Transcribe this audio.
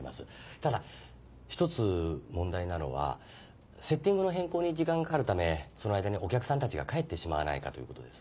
ただ一つ問題なのはセッティングの変更に時間がかかるためその間にお客さんたちが帰ってしまわないかということです。